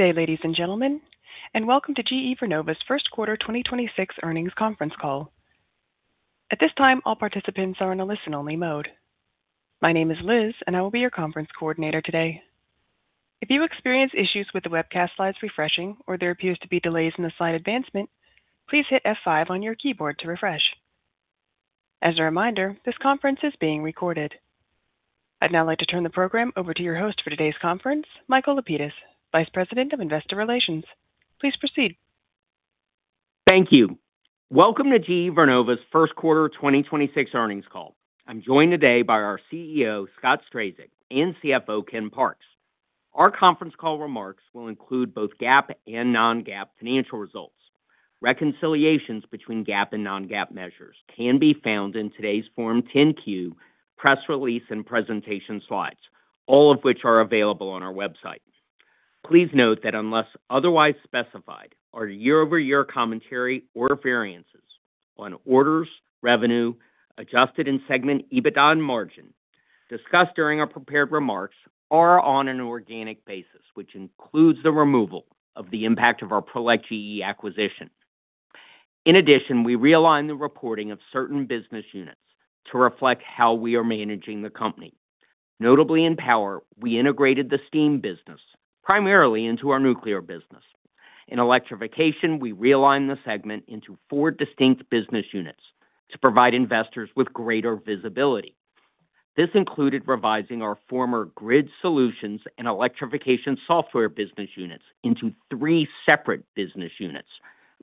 Good day, ladies and gentlemen, and welcome to GE Vernova's first quarter 2026 earnings conference call. At this time, all participants are in a listen-only mode. My name is Liz and I will be your conference coordinator today. If you experience issues with the webcast slides refreshing or there appears to be delays in the slide advancement, please hit F5 on your keyboard to refresh. As a reminder, this conference is being recorded. I'd now like to turn the program over to your host for today's conference, Michael Lapides, Vice President of Investor Relations. Please proceed. Thank you. Welcome to GE Vernova's first quarter 2026 earnings call. I'm joined today by our CEO, Scott Strazik, and CFO, Ken Parks. Our conference call remarks will include both GAAP and non-GAAP financial results. Reconciliations between GAAP and non-GAAP measures can be found in today's Form 10-Q, press release, and presentation slides, all of which are available on our website. Please note that unless otherwise specified, our year-over-year commentary or variances on orders, revenue, adjusted, and segment EBITDA and margin discussed during our prepared remarks are on an organic basis, which includes the removal of the impact of our Prolec GE acquisition. In addition, we realigned the reporting of certain business units to reflect how we are managing the company. Notably in Power, we integrated the steam business primarily into our nuclear business. In Electrification, we realigned the segment into four distinct business units to provide investors with greater visibility. This included revising our former Grid Solutions and Electrification Software business units into three separate business units,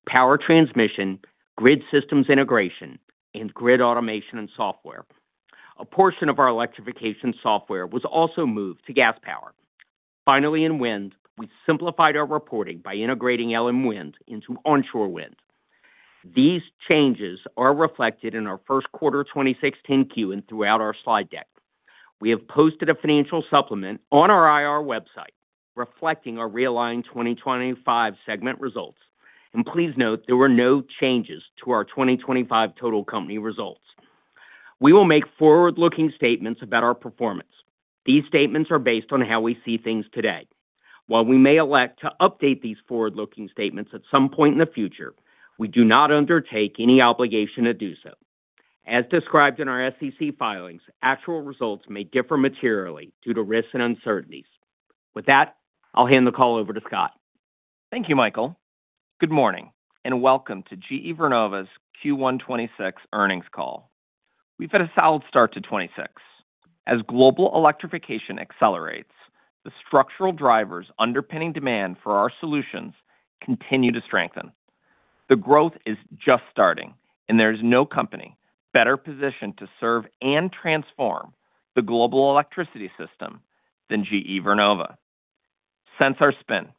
Power Transmission, Grid Systems Integration, and Grid Automation and Software. A portion of our Electrification Software was also moved to Gas Power. Finally, in Wind, we simplified our reporting by integrating LM Wind into Onshore Wind. These changes are reflected in our first quarter 2024 10-Q and throughout our slide deck. We have posted a financial supplement on our IR website reflecting our realigned 2025 segment results, and please note there were no changes to our 2025 total company results. We will make forward-looking statements about our performance. These statements are based on how we see things today. While we may elect to update these forward-looking statements at some point in the future, we do not undertake any obligation to do so. As described in our SEC filings, actual results may differ materially due to risks and uncertainties. With that, I'll hand the call over to Scott. Thank you, Michael. Good morning and welcome to GE Vernova's Q1 2026 earnings call. We've had a solid start to 2026. As global electrification accelerates, the structural drivers underpinning demand for our solutions continue to strengthen. The growth is just starting and there is no company better positioned to serve and transform the global electricity system than GE Vernova. Since our spin,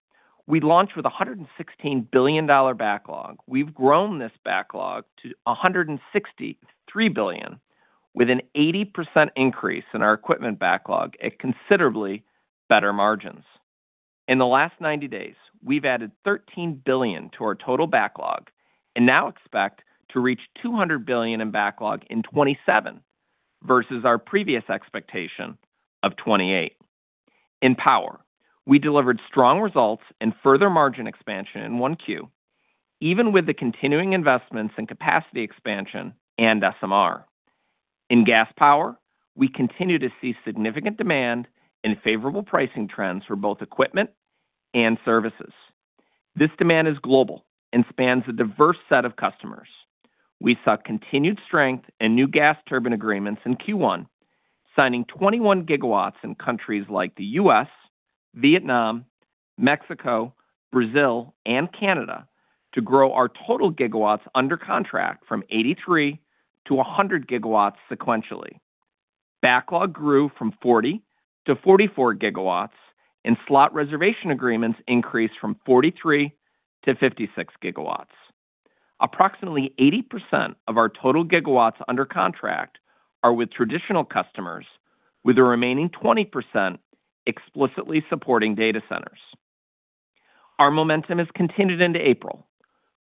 we launched with $116 billion backlog. We've grown this backlog to $163 billion with an 80% increase in our equipment backlog at considerably better margins. In the last 90 days, we've added $13 billion to our total backlog and now expect to reach $200 billion in backlog in 2027 versus our previous expectation of 2028. In Power, we delivered strong results and further margin expansion in 1Q, even with the continuing investments in capacity expansion and SMR. In Gas Power, we continue to see significant demand and favorable pricing trends for both equipment and services. This demand is global and spans a diverse set of customers. We saw continued strength in new gas turbine agreements in Q1, signing 21 GW in countries like the U.S., Vietnam, Mexico, Brazil, and Canada to grow our total gigawatt under contract from 83 GW-100 GW sequentially. Backlog grew from 40 GW to 44 GW, and slot reservation agreements increased from 43 GW to 56 GW. Approximately 80% of our total gigawatt under contract are with traditional customers, with the remaining 20% explicitly supporting data centers. Our momentum has continued into April.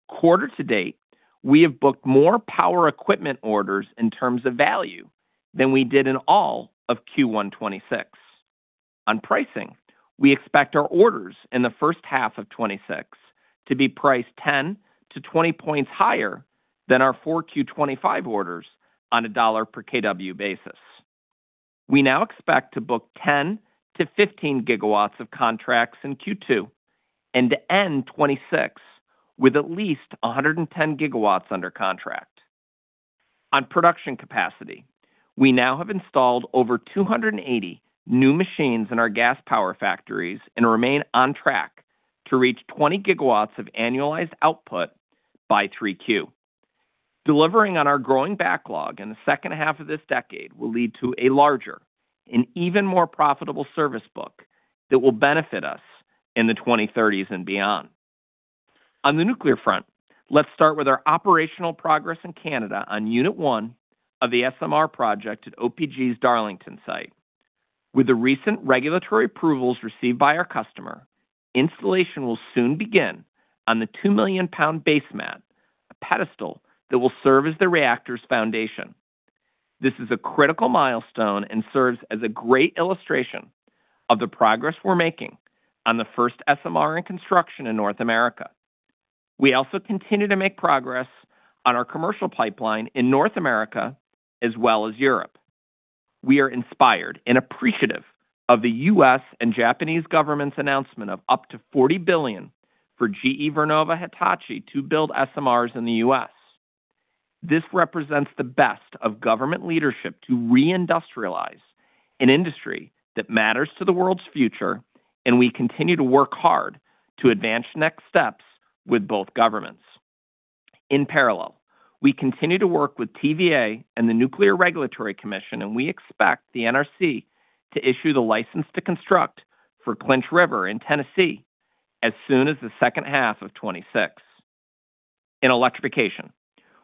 Quarter to date, we have booked more power equipment orders in terms of value than we did in all of Q1 2026. On pricing, we expect our orders in the first half of 2026 to be priced 10-20 points higher than our 4Q 2025 orders on $1 per kW basis. We now expect to book 10 GW-15 GW of contracts in Q2 and to end 2026 with at least 110 GW under contract. On production capacity, we now have installed over 280 new machines in our Gas Power factories, and remain on track to reach 20 GW of annualized output by 3Q. Delivering on our growing backlog in the second half of this decade will lead to a larger and even more profitable service book that will benefit us in the 2030s and beyond. On the nuclear front, let's start with our operational progress in Canada on unit one of the SMR project at OPG's Darlington site. With the recent regulatory approvals received by our customer, installation will soon begin on the 2-million lbs base mat, a pedestal that will serve as the reactor's foundation. This is a critical milestone and serves as a great illustration of the progress we're making on the first SMR in construction in North America. We also continue to make progress on our commercial pipeline in North America as well as Europe. We are inspired and appreciative of the U.S. and Japanese government's announcement of up to $40 billion for GE Vernova Hitachi to build SMRs in the U.S. This represents the best of government leadership to re-industrialize an industry that matters to the world's future, and we continue to work hard to advance next steps with both governments.In parallel, we continue to work with TVA and the Nuclear Regulatory Commission, and we expect the NRC to issue the license to construct for Clinch River in Tennessee as soon as the second half of 2026. In Electrification,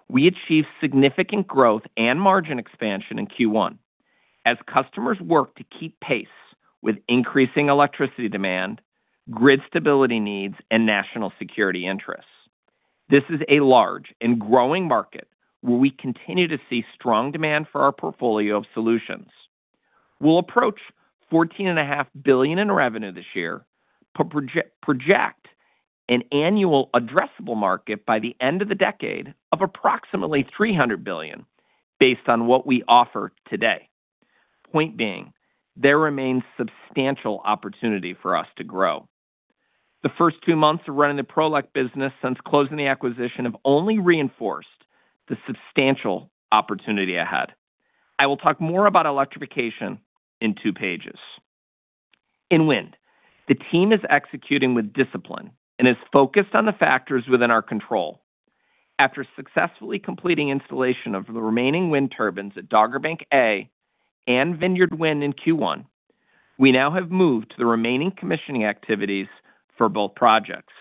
we achieved significant growth and margin expansion in Q1 as customers work to keep pace with increasing electricity demand, grid stability needs, and national security interests. This is a large and growing market where we continue to see strong demand for our portfolio of solutions. We'll approach $14.5 billion in revenue this year, but project an annual addressable market by the end of the decade of approximately $300 billion based on what we offer today. Point being, there remains substantial opportunity for us to grow. The first two months of running the Prolec business since closing the acquisition have only reinforced the substantial opportunity ahead. I will talk more about electrification in two pages. In Wind, the team is executing with discipline and is focused on the factors within our control. After successfully completing installation of the remaining wind turbines at Dogger Bank A and Vineyard Wind in Q1, we now have moved to the remaining commissioning activities for both projects.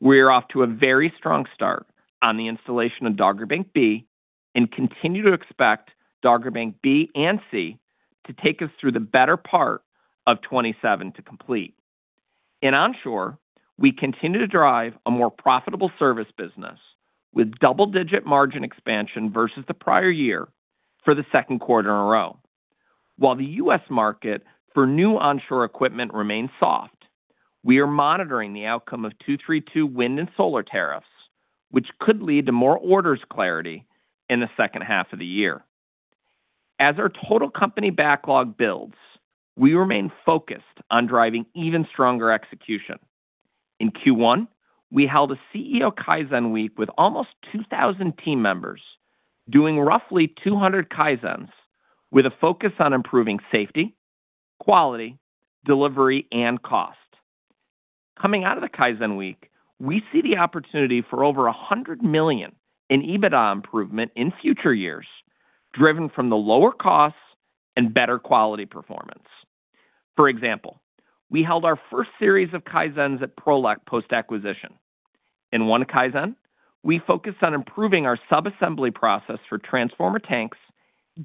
We are off to a very strong start on the installation of Dogger Bank B and continue to expect Dogger Bank B and C to take us through the better part of 2027 to complete. In onshore, we continue to drive a more profitable service business with double-digit margin expansion versus the prior year for the second quarter in a row. While the U.S. market for new onshore equipment remains soft, we are monitoring the outcome of 232 wind and solar tariffs, which could lead to more orders clarity in the second half of the year. As our total company backlog builds, we remain focused on driving even stronger execution. In Q1, we held a CEO Kaizen Week with almost 2,000 team members, doing roughly 200 Kaizens with a focus on improving safety, quality, delivery, and cost. Coming out of the Kaizen Week, we see the opportunity for over $100 million in EBITDA improvement in future years, driven from the lower costs and better quality performance. For example, we held our first series of Kaizens at Prolec post-acquisition. In one Kaizen, we focused on improving our sub-assembly process for transformer tanks,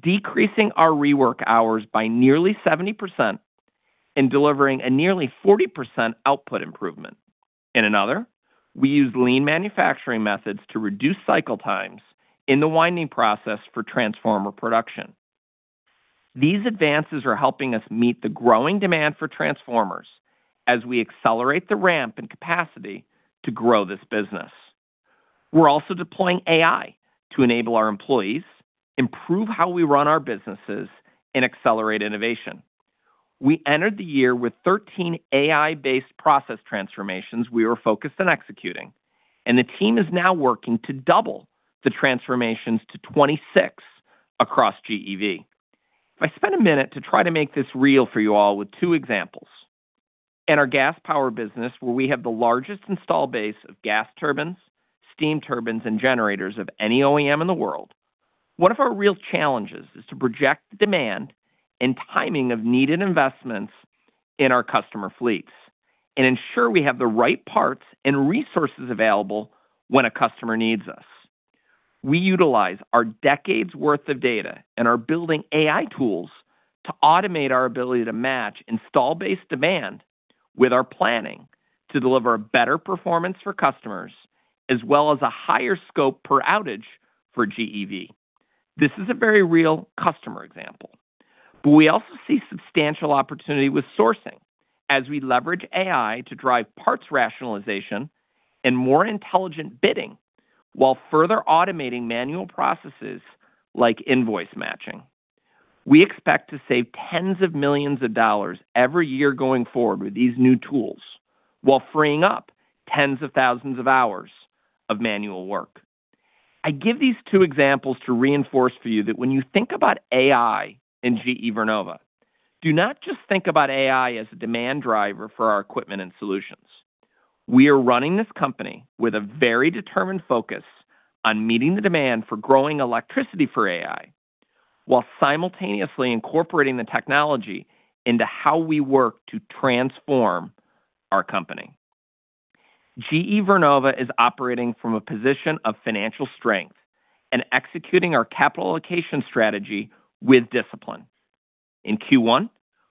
decreasing our rework hours by nearly 70% and delivering a nearly 40% output improvement. In another, we used lean manufacturing methods to reduce cycle times in the winding process for transformer production. These advances are helping us meet the growing demand for transformers as we accelerate the ramp in capacity to grow this business. We're also deploying AI to enable our employees, improve how we run our businesses, and accelerate innovation. We entered the year with 13 AI-based process transformations we are focused on executing, and the team is now working to double the transformations to 26 across GEV. If I spend a minute to try to make this real for you all with two examples. In our Gas Power business, where we have the largest installed base of gas turbines, steam turbines, and generators of any OEM in the world, one of our real challenges is to project the demand and timing of needed investments in our customer fleets and ensure we have the right parts and resources available when a customer needs us. We utilize our decades' worth of data and are building AI tools to automate our ability to match installed-based demand with our planning to deliver a better performance for customers, as well as a higher scope per outage for GEV. This is a very real customer example. We also see substantial opportunity with sourcing as we leverage AI to drive parts rationalization and more intelligent bidding while further automating manual processes like invoice matching. We expect to save tens of millions of dollars every year going forward with these new tools while freeing up tens of thousands of hours of manual work. I give these two examples to reinforce for you that when you think about AI in GE Vernova, do not just think about AI as a demand driver for our equipment and solutions. We are running this company with a very determined focus on meeting the demand for growing electricity for AI while simultaneously incorporating the technology into how we work to transform our company. GE Vernova is operating from a position of financial strength and executing our capital allocation strategy with discipline. In Q1,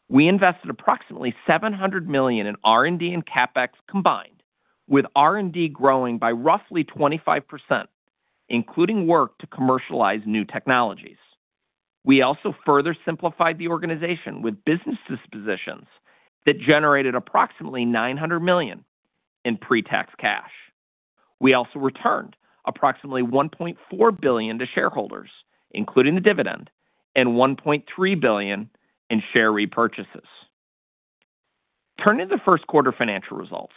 we invested approximately $700 million in R&D and CapEx combined, with R&D growing by roughly 25%, including work to commercialize new technologies. We also further simplified the organization with business dispositions that generated approximately $900 million in pre-tax cash. We also returned approximately $1.4 billion to shareholders, including the dividend and $1.3 billion in share repurchases. Turning to first quarter financial results.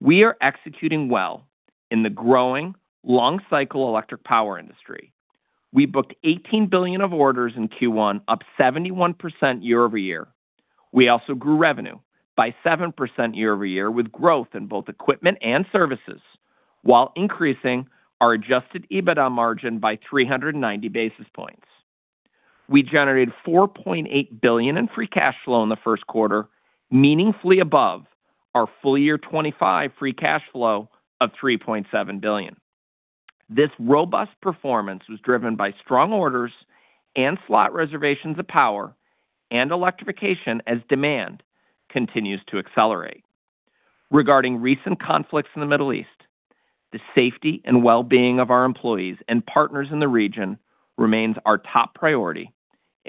We are executing well in the growing long-cycle electric power industry. We booked $18 billion of orders in Q1, up 71% year-over-year. We also grew revenue by 7% year-over-year, with growth in both equipment and services, while increasing our adjusted EBITDA margin by 390 basis points. We generated $4.8 billion in free cash flow in the first quarter, meaningfully above our full year 2025 free cash flow of $3.7 billion. This robust performance was driven by strong orders and slot reservations of Power and Electrification as demand continues to accelerate. Regarding recent conflicts in the Middle East, the safety and wellbeing of our employees and partners in the region remains our top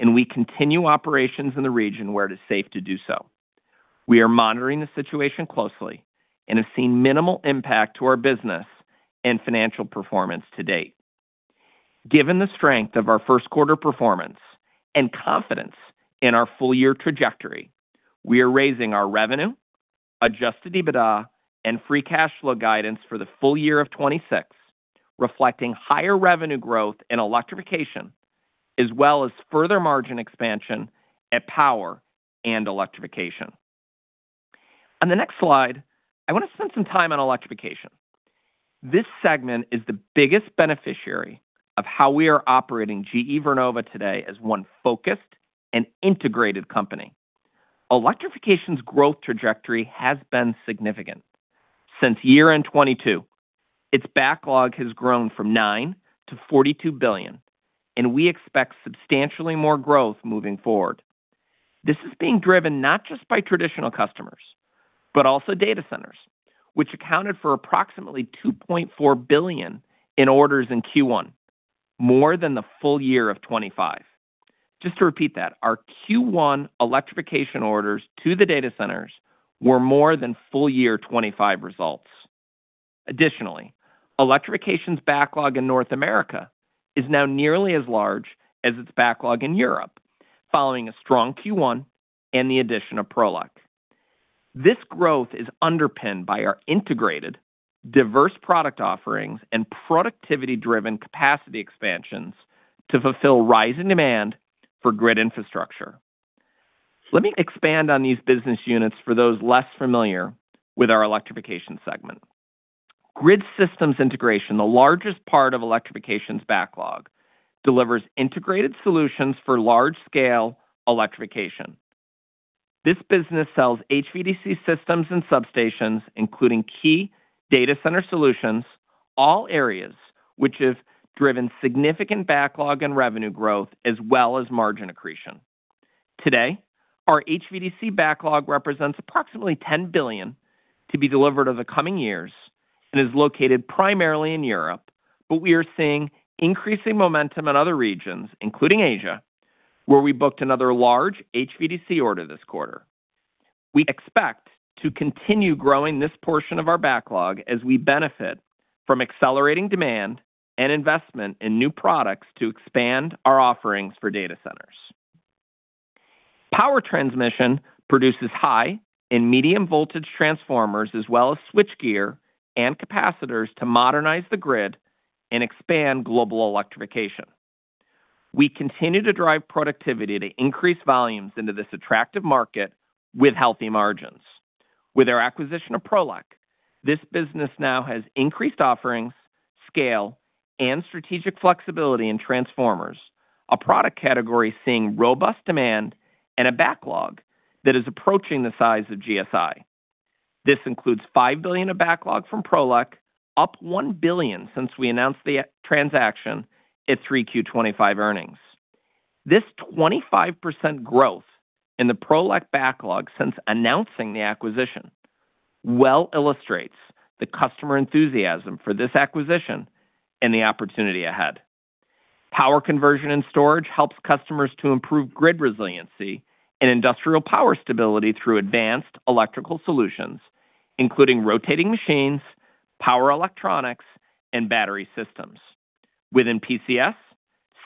priority, and we continue operations in the region where it is safe to do so. We are monitoring the situation closely and have seen minimal impact to our business and financial performance to date. Given the strength of our first quarter performance and confidence in our full-year trajectory, we are raising our revenue, adjusted EBITDA, and free cash flow guidance for the full year of 2026, reflecting higher revenue growth and Electrification, as well as further margin expansion at Power and Electrification. On the next slide, I want to spend some time on Electrification. This segment is the biggest beneficiary of how we are operating GE Vernova today as one focused and integrated company. Electrification's growth trajectory has been significant. Since year-end 2022, its backlog has grown from $9 billion to $42 billion, and we expect substantially more growth moving forward. This is being driven not just by traditional customers, but also data centers, which accounted for approximately $2.4 billion in orders in Q1, more than the full year of 2025. Just to repeat that, our Q1 Electrification orders to the data centers were more than full-year 2025 results. Additionally, Electrification's backlog in North America is now nearly as large as its backlog in Europe, following a strong Q1 and the addition of Prolec GE. This growth is underpinned by our integrated, diverse product offerings and productivity-driven capacity expansions to fulfill rising demand for grid infrastructure. Let me expand on these business units for those less familiar with our Electrification segment. Grid Systems Integration, the largest part of Electrification's backlog, delivers integrated solutions for large-scale electrification. This business sells HVDC systems and substations, including key data center solutions, all areas which have driven significant backlog and revenue growth as well as margin accretion. Today, our HVDC backlog represents approximately $10 billion to be delivered over the coming years and is located primarily in Europe, but we are seeing increasing momentum in other regions, including Asia, where we booked another large HVDC order this quarter. We expect to continue growing this portion of our backlog as we benefit from accelerating demand and investment in new products to expand our offerings for data centers. Power Transmission produces high and medium voltage transformers, as well as switchgear and capacitors to modernize the grid and expand global electrification. We continue to drive productivity to increase volumes into this attractive market with healthy margins. With our acquisition of Prolec, this business now has increased offerings, scale, and strategic flexibility in transformers, a product category seeing robust demand and a backlog that is approaching the size of GSI. This includes $5 billion of backlog from Prolec, up $1 billion since we announced the transaction at 3Q 2025 earnings. This 25% growth in the Prolec backlog since announcing the acquisition well illustrates the customer enthusiasm for this acquisition and the opportunity ahead. Power Conversion & Storage helps customers to improve grid resiliency and industrial power stability through advanced electrical solutions, including rotating machines, power electronics, and battery systems. Within PCS,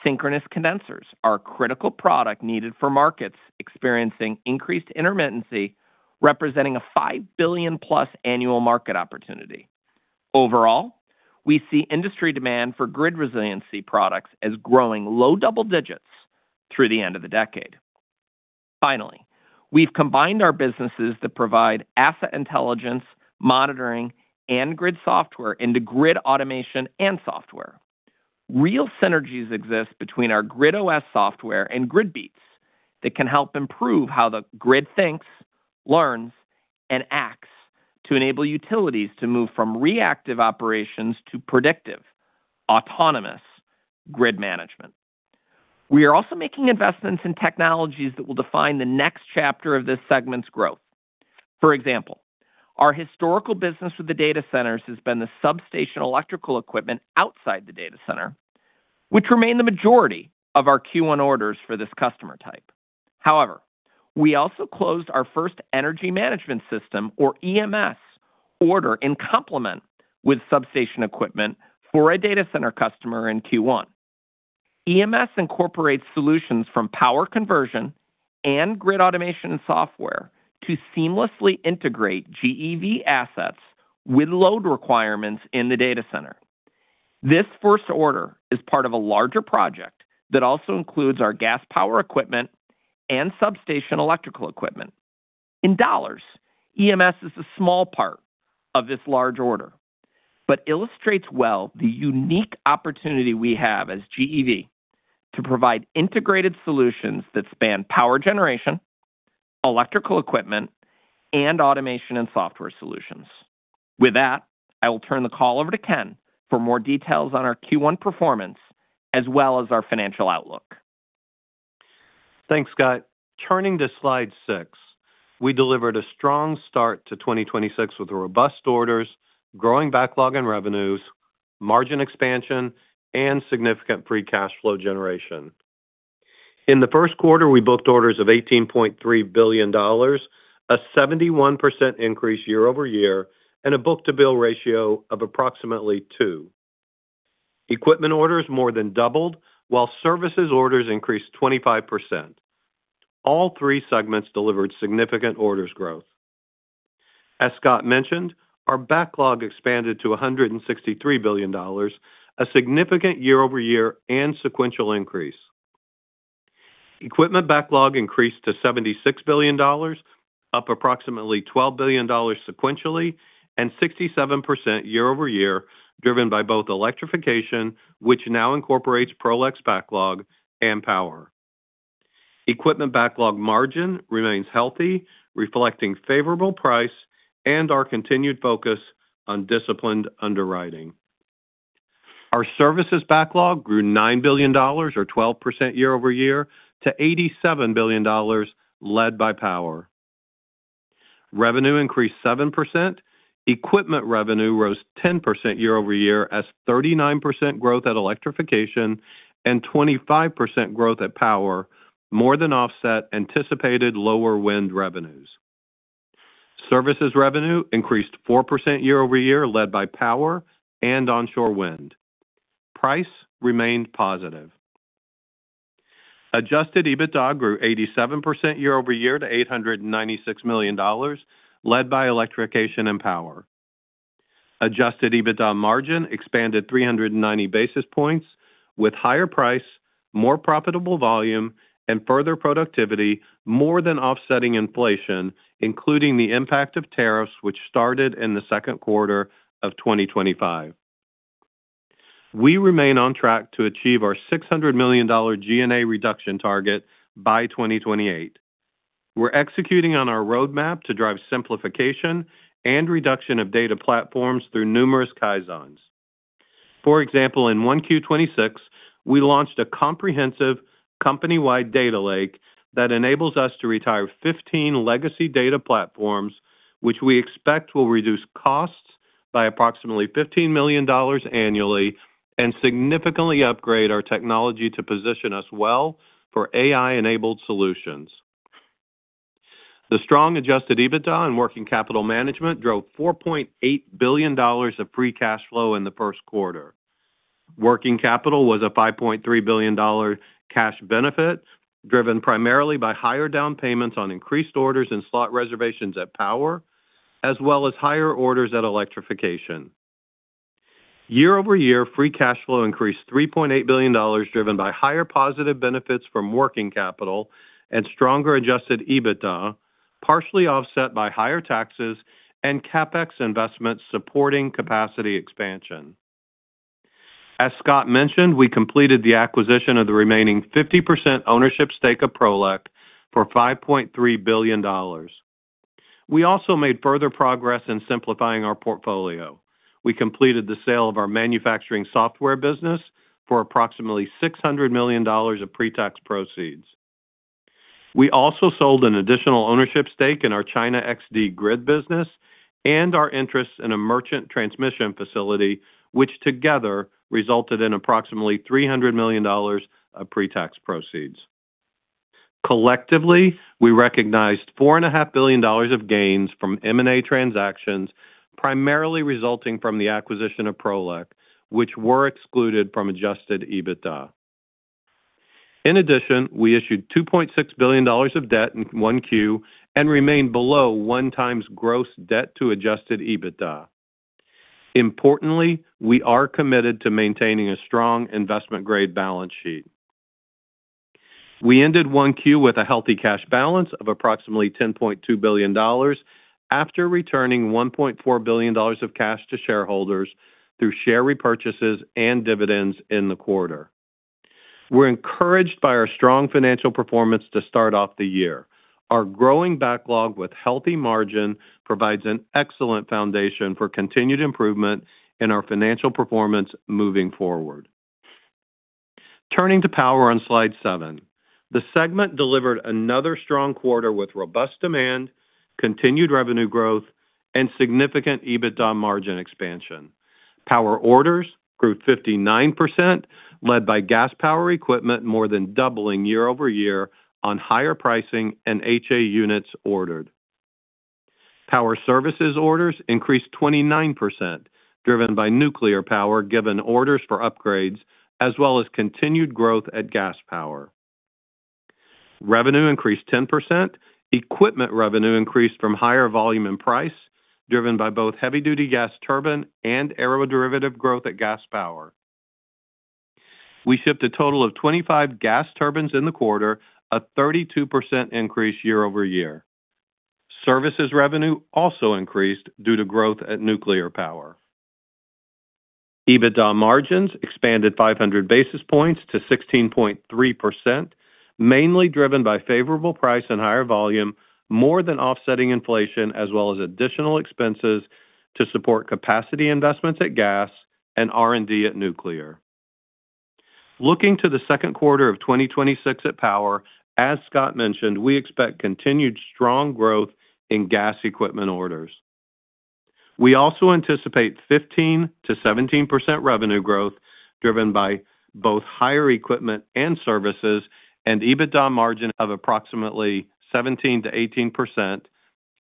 synchronous condensers are a critical product needed for markets experiencing increased intermittency, representing a $5 billion+ annual market opportunity. Overall, we see industry demand for grid resiliency products as growing low double digits through the end of the decade. Finally, we've combined our businesses that provide asset intelligence, monitoring, and grid software into Grid Automation and Software. Real synergies exist between our GridOS software and GridBeats that can help improve how the grid thinks, learns, and acts to enable utilities to move from reactive operations to predictive, autonomous grid management. We are also making investments in technologies that will define the next chapter of this segment's growth. For example, our historical business with the data centers has been the substation electrical equipment outside the data center, which remain the majority of our Q1 orders for this customer type. However, we also closed our first energy management system, or EMS, order in conjunction with substation equipment for a data center customer in Q1. EMS incorporates solutions from Power Conversion and Grid Automation and Software to seamlessly integrate GEV assets with load requirements in the data center. This first order is part of a larger project that also includes our Gas Power equipment and substation electrical equipment. In dollars, EMS is a small part of this large order, but illustrates well the unique opportunity we have as GEV to provide integrated solutions that span power generation, electrical equipment, and automation and software solutions. With that, I will turn the call over to Ken for more details on our Q1 performance, as well as our financial outlook. Thanks, Scott. Turning to slide six, we delivered a strong start to 2026 with robust orders, growing backlog and revenues, margin expansion, and significant free cash flow generation. In the first quarter, we booked orders of $18.3 billion, a 71% increase year-over-year, and a book-to-bill ratio of approximately 2. Equipment orders more than doubled, while services orders increased 25%. All three segments delivered significant orders growth. As Scott mentioned, our backlog expanded to $163 billion, a significant year-over-year and sequential increase. Equipment backlog increased to $76 billion, up approximately $12 billion sequentially, and 67% year-over-year, driven by both Electrification, which now incorporates Prolec GE's backlog and Power. Equipment backlog margin remains healthy, reflecting favorable price, and our continued focus on disciplined underwriting. Our services backlog grew $9 billion, or 12% year-over-year, to $87 billion, led by Power. Revenue increased 7%. Equipment revenue rose 10% year-over-year as 39% growth at Electrification and 25% growth at Power more than offset anticipated lower wind revenues. Services revenue increased 4% year-over-year, led by Power and Onshore Wind. Price remained positive. Adjusted EBITDA grew 87% year-over-year to $896 million, led by Electrification and Power. Adjusted EBITDA margin expanded 390 basis points with higher price, more profitable volume, and further productivity more than offsetting inflation, including the impact of tariffs, which started in the second quarter of 2025. We remain on track to achieve our $600 million G&A reduction target by 2028. We're executing on our roadmap to drive simplification and reduction of data platforms through numerous Kaizens. For example, in 1Q 2026, we launched a comprehensive company-wide data lake that enables us to retire 15 legacy data platforms, which we expect will reduce costs by approximately $15 million annually and significantly upgrade our technology to position us well for AI-enabled solutions. The strong adjusted EBITDA and working capital management drove $4.8 billion of free cash flow in the first quarter. Working capital was a $5.3 billion cash benefit, driven primarily by higher down payments on increased orders and slot reservations at Power, as well as higher orders at electrification. Year-over-year, free cash flow increased $3.8 billion, driven by higher positive benefits from working capital and stronger adjusted EBITDA, partially offset by higher taxes and CapEx investments supporting capacity expansion. As Scott mentioned, we completed the acquisition of the remaining 50% ownership stake of Prolec for $5.3 billion. We also made further progress in simplifying our portfolio. We completed the sale of our manufacturing software business for approximately $600 million of pre-tax proceeds. We also sold an additional ownership stake in our China XD grid business and our interest in a merchant transmission facility, which together resulted in approximately $300 million of pre-tax proceeds. Collectively, we recognized $4.5 billion of gains from M&A transactions, primarily resulting from the acquisition of Prolec, which were excluded from adjusted EBITDA. In addition, we issued $2.6 billion of debt in 1Q and remain below 1x gross debt to adjusted EBITDA. Importantly, we are committed to maintaining a strong investment-grade balance sheet. We ended 1Q with a healthy cash balance of approximately $10.2 billion, after returning $1.4 billion of cash to shareholders through share repurchases and dividends in the quarter. We're encouraged by our strong financial performance to start off the year. Our growing backlog with healthy margin provides an excellent foundation for continued improvement in our financial performance moving forward. Turning to Power on slide seven. The segment delivered another strong quarter with robust demand, continued revenue growth, and significant EBITDA margin expansion. Power orders grew 59%, led by Gas Power equipment more than doubling year-over-year on higher pricing and HA units ordered. Power services orders increased 29%, driven by Nuclear Power given orders for upgrades as well as continued growth at Gas Power. Revenue increased 10%. Equipment revenue increased from higher volume and price, driven by both heavy-duty gas turbine and aeroderivative growth at Gas Power. We shipped a total of 25 gas turbines in the quarter, a 32% increase year-over-year. Services revenue also increased due to growth at Nuclear Power. EBITDA margins expanded 500 basis points to 16.3%, mainly driven by favorable price and higher volume, more than offsetting inflation, as well as additional expenses to support capacity investments at gas and R&D at nuclear. Looking to the second quarter of 2026 at Power, as Scott mentioned, we expect continued strong growth in gas equipment orders. We also anticipate 15%-17% revenue growth driven by both higher equipment and services and EBITDA margin of approximately 17%-18%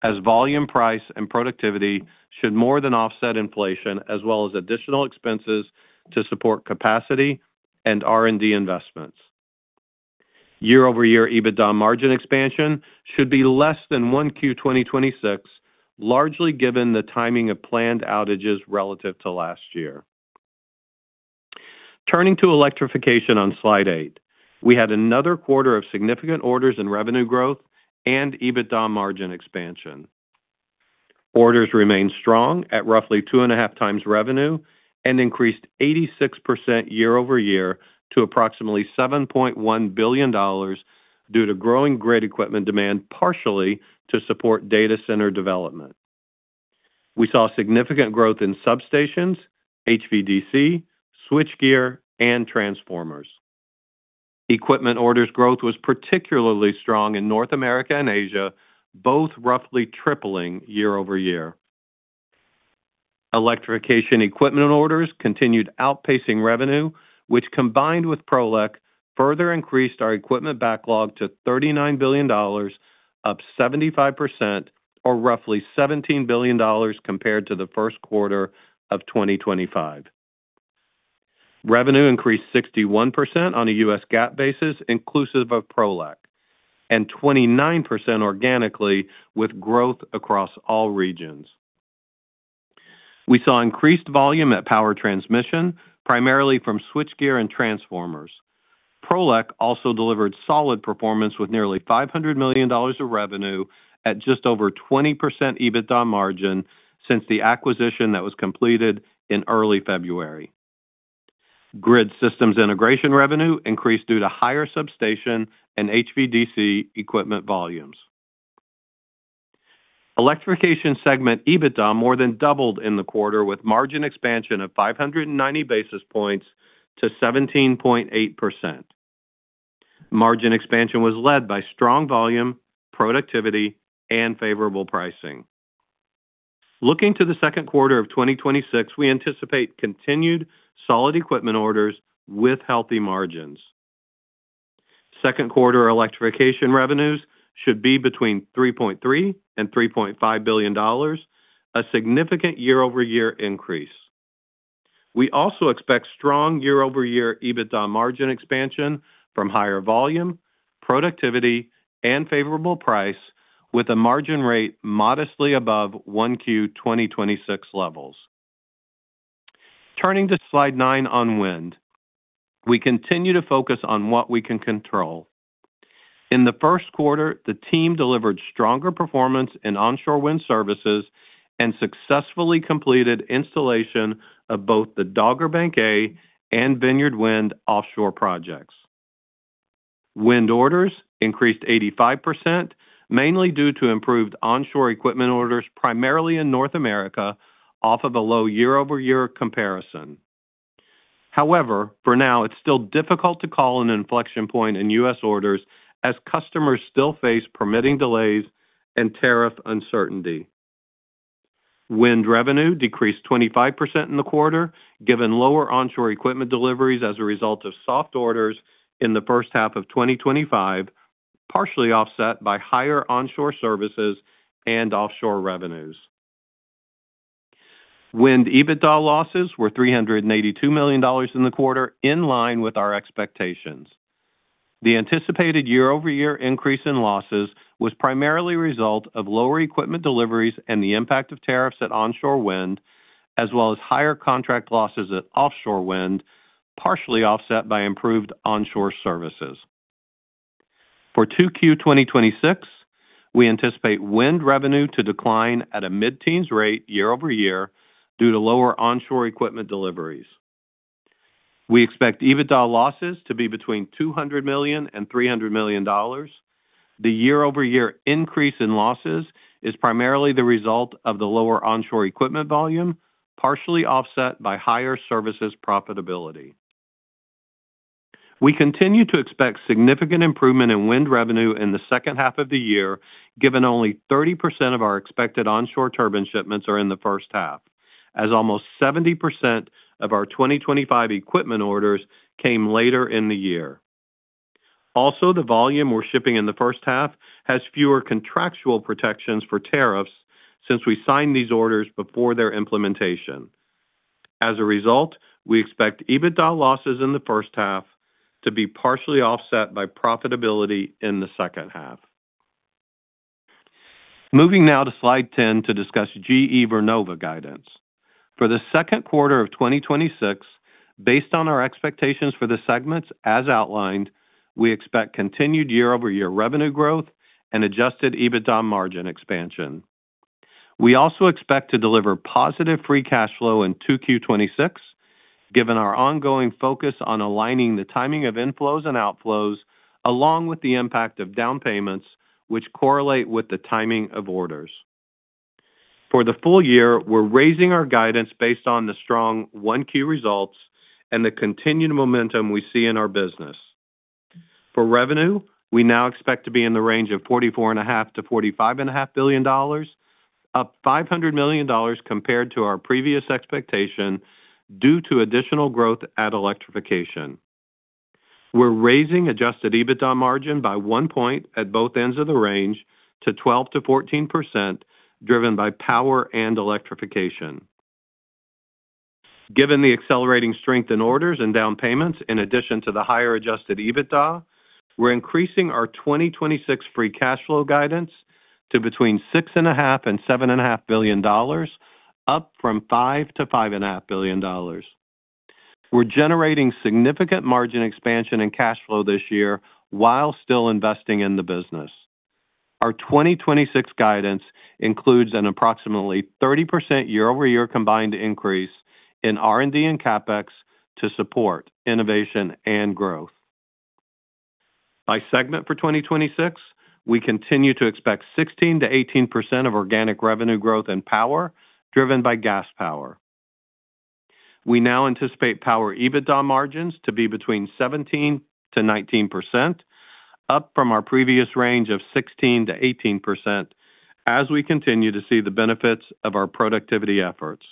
as volume, price, and productivity should more than offset inflation as well as additional expenses to support capacity and R&D investments. Year-over-year EBITDA margin expansion should be less than 1Q 2026, largely given the timing of planned outages relative to last year. Turning to Electrification on slide eight. We had another quarter of significant orders and revenue growth and EBITDA margin expansion. Orders remained strong at roughly 2.5x revenue and increased 86% year-over-year to approximately $7.1 billion due to growing grid equipment demand, partially to support data center development. We saw significant growth in substations, HVDC, switchgear, and transformers. Equipment orders growth was particularly strong in North America and Asia, both roughly tripling year-over-year. Electrification equipment orders continued outpacing revenue, which combined with Prolec, further increased our equipment backlog to $39 billion, up 75%, or roughly $17 billion compared to the first quarter of 2025. Revenue increased 61% on a U.S. GAAP basis inclusive of Prolec, and 29% organically with growth across all regions. We saw increased volume at Power Transmission, primarily from switchgear and transformers. Prolec also delivered solid performance with nearly $500 million of revenue at just over 20% EBITDA margin since the acquisition that was completed in early February. Grid Systems Integration revenue increased due to higher substation and HVDC equipment volumes. Electrification segment EBITDA more than doubled in the quarter with margin expansion of 590 basis points to 17.8%. Margin expansion was led by strong volume, productivity, and favorable pricing. Looking to the second quarter of 2026, we anticipate continued solid equipment orders with healthy margins. Second quarter Electrification revenues should be between $3.3 billion and $3.5 billion, a significant year-over-year increase. We also expect strong year-over-year EBITDA margin expansion from higher volume, productivity, and favorable price with a margin rate modestly above 1Q 2026 levels. Turning to slide nine on Wind. We continue to focus on what we can control. In the first quarter, the team delivered stronger performance in Onshore Wind services and successfully completed installation of both the Dogger Bank A and Vineyard Wind offshore projects. Wind orders increased 85%, mainly due to improved onshore equipment orders, primarily in North America, off of a low year-over-year comparison. However, for now, it's still difficult to call an inflection point in U.S. orders as customers still face permitting delays and tariff uncertainty. Wind revenue decreased 25% in the quarter, given lower onshore equipment deliveries as a result of soft orders in the first half of 2025, partially offset by higher onshore services and offshore revenues. Wind EBITDA losses were $382 million in the quarter, in line with our expectations. The anticipated year-over-year increase in losses was primarily a result of lower equipment deliveries and the impact of tariffs at Onshore Wind, as well as higher contract losses at Offshore Wind, partially offset by improved Onshore services. For 2Q 2026, we anticipate wind revenue to decline at a mid-teens rate year-over-year due to lower onshore equipment deliveries. We expect EBITDA losses to be between $200 million and $300 million. The year-over-year increase in losses is primarily the result of the lower onshore equipment volume, partially offset by higher services profitability. We continue to expect significant improvement in wind revenue in the second half of the year, given only 30% of our expected onshore turbine shipments are in the first half, as almost 70% of our 2025 equipment orders came later in the year. The volume we're shipping in the first half has fewer contractual protections for tariffs since we signed these orders before their implementation. As a result, we expect EBITDA losses in the first half to be partially offset by profitability in the second half. Moving now to slide 10 to discuss GE Vernova guidance. For the second quarter of 2026, based on our expectations for the segments as outlined, we expect continued year-over-year revenue growth and adjusted EBITDA margin expansion. We also expect to deliver positive free cash flow in 2Q 2026, given our ongoing focus on aligning the timing of inflows and outflows, along with the impact of down payments, which correlate with the timing of orders. For the full year, we're raising our guidance based on the strong 1Q results and the continued momentum we see in our business. For revenue, we now expect to be in the range of $44.5 bilion-$45.5 billion, up $500 million compared to our previous expectation due to additional growth at Electrification. We're raising adjusted EBITDA margin by 1 point at both ends of the range to 12%-14%, driven by Power and Electrification. Given the accelerating strength in orders and down payments, in addition to the higher adjusted EBITDA, we're increasing our 2026 free cash flow guidance to between $6.5 billion and $7.5 billion, up from $5 billion-$5.5 billion. We're generating significant margin expansion and cash flow this year while still investing in the business. Our 2026 guidance includes an approximately 30% year-over-year combined increase in R&D and CapEx to support innovation and growth. By segment for 2026, we continue to expect 16%-18% of organic revenue growth and Power driven by Gas Power. We now anticipate power EBITDA margins to be between 17%-19%, up from our previous range of 16%-18%, as we continue to see the benefits of our productivity efforts.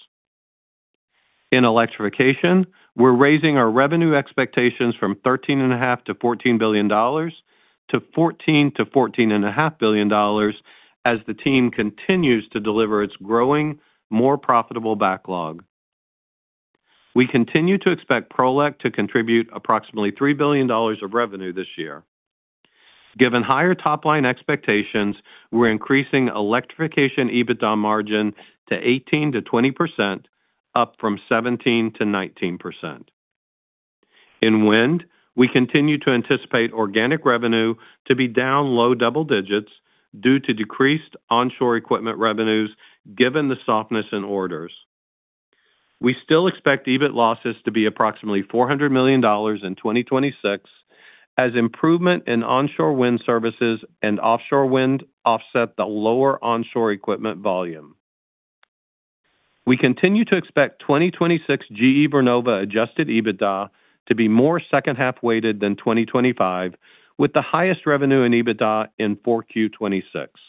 In Electrification, we're raising our revenue expectations from $13.5 billion-$14 billion to $14 billion-$14.5 billion as the team continues to deliver its growing, more profitable backlog. We continue to expect Prolec to contribute approximately $3 billion of revenue this year. Given higher top-line expectations, we're increasing Electrification EBITDA margin to 18%-20%, up from 17%-19%. In Wind, we continue to anticipate organic revenue to be down low double digits due to decreased onshore equipment revenues, given the softness in orders. We still expect EBIT losses to be approximately $400 million in 2026, as improvement in onshore wind services and offshore wind offset the lower onshore equipment volume. We continue to expect 2026 GE Vernova adjusted EBITDA to be more second-half weighted than 2025, with the highest revenue and EBITDA in 4Q 2026.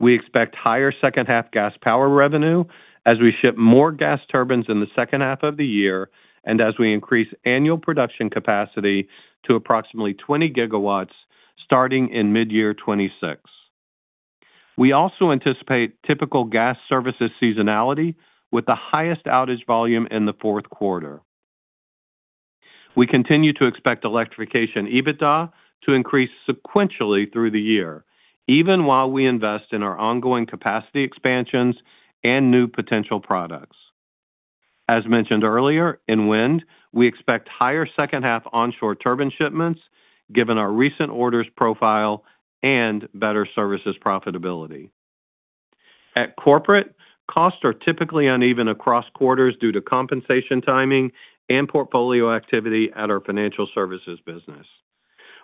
We expect higher second-half Gas Power revenue as we ship more gas turbines in the second half of the year and as we increase annual production capacity to approximately 20 GW starting in mid-year 2026. We also anticipate typical gas services seasonality with the highest outage volume in the fourth quarter. We continue to expect Electrification EBITDA to increase sequentially through the year, even while we invest in our ongoing capacity expansions and new potential products. As mentioned earlier, in Wind, we expect higher second-half onshore turbine shipments given our recent orders profile and better services profitability. At corporate, costs are typically uneven across quarters due to compensation timing and portfolio activity at our financial services business.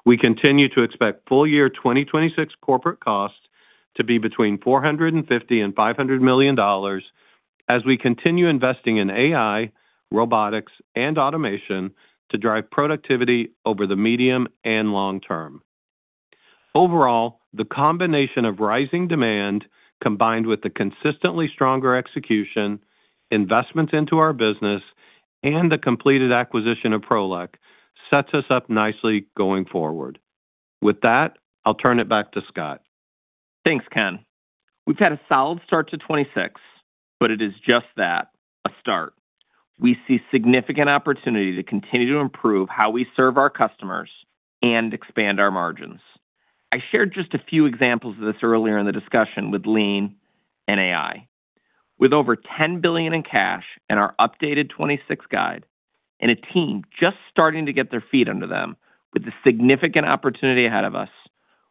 We continue to expect full year 2026 corporate costs to be between $450 million-$500 million as we continue investing in AI, robotics, and automation to drive productivity over the medium and long term. Overall, the combination of rising demand, combined with the consistently stronger execution, investments into our business, and the completed acquisition of Prolec, sets us up nicely going forward. With that, I'll turn it back to Scott. Thanks, Ken. We've had a solid start to 2026, but it is just that, a start. We see significant opportunity to continue to improve how we serve our customers and expand our margins. I shared just a few examples of this earlier in the discussion with Lean and AI. With over $10 billion in cash and our updated 2026 guide, and a team just starting to get their feet under them with a significant opportunity ahead of us,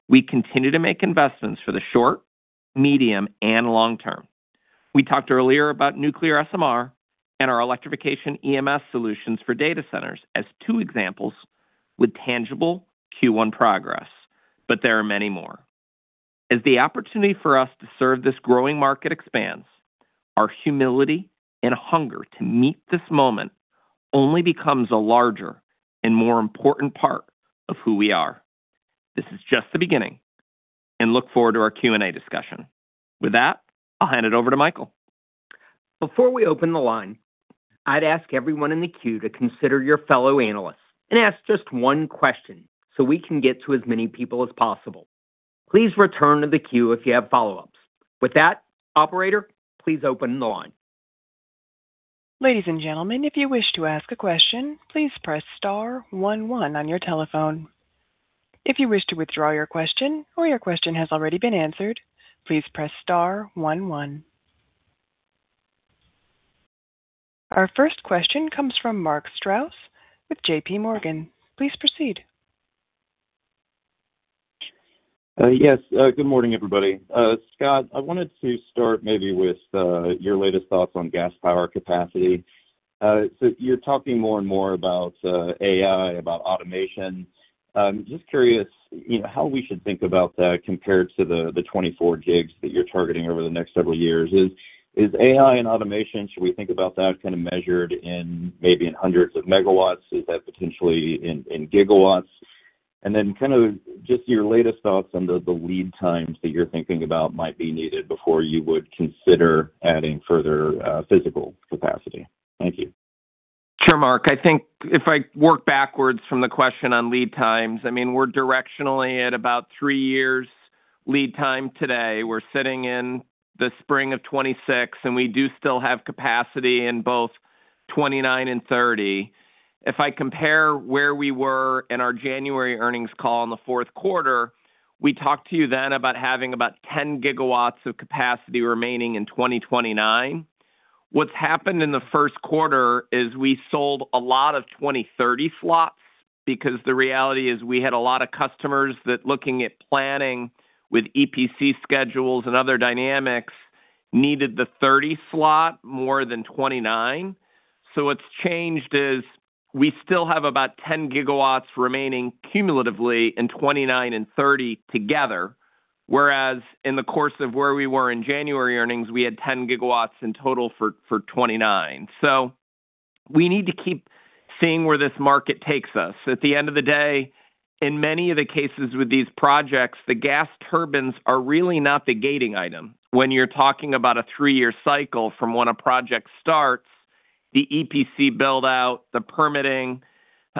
we continue to make investments for the short, medium, and long term. We talked earlier about nuclear SMR and our electrification EMS solutions for data centers as two examples with tangible Q1 progress, but there are many more. As the opportunity for us to serve this growing market expands, our humility and hunger to meet this moment only becomes a larger and more important part of who we are. This is just the beginning, and I look forward to our Q&A discussion. With that, I'll hand it over to Michael. Before we open the line, I'd ask everyone in the queue to consider your fellow analysts and ask just one question so we can get to as many people as possible. Please return to the queue if you have follow-ups. With that, operator, please open the line. Ladies and gentlemen, if you wsh to ask a question, please press star one one on your telephone. If you wish to withdraw your question or you question has already been answered please press star one one. Our first question comes from Mark Strouse with JPMorgan. Please proceed. Yes. Good morning, everybody. Scott, I wanted to start maybe with your latest thoughts on Gas Power capacity. You're talking more and more about AI, about automation. Just curious, how we should think about that compared to the 24 G that you're targeting over the next several years. Is AI and automation, should we think about that kind of measured in maybe in hundreds of megawatts? Is that potentially in gigawatts? Then kind of just your latest thoughts on the lead times that you're thinking about might be needed before you would consider adding further physical capacity. Thank you. Sure, Mark. I think if I work backwards from the question on lead times, I mean, we're directionally at about three years lead time today. We're sitting in the spring of 2026, and we do still have capacity in both 2029 and 2030. If I compare where we were in our January earnings call in the fourth quarter, we talked to you then about having about 10 GW of capacity remaining in 2029. What's happened in the first quarter is we sold a lot of 2030 slots because the reality is we had a lot of customers that looking at planning with EPC schedules and other dynamics, needed the 2030 slot more than 2029. What's changed is we still have about 10 GW remaining cumulatively in 2029 and 2030 together, whereas in the course of where we were in January earnings, we had 10 GW in total for 2029. We need to keep seeing where this market takes us. At the end of the day, in many of the cases with these projects, the gas turbines are really not the gating item when you're talking about a three-year cycle from when a project starts, the EPC build-out, the permitting,